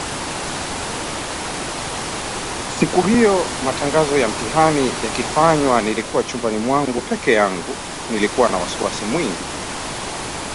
Siku hiyo, matangazo ya mtihani yakifanywa nilikua chumbani mwangu pekee yangu nikiwa na wasiwasi mwingi